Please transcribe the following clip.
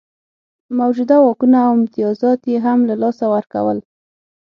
موجوده واکونه او امتیازات یې هم له لاسه ورکول.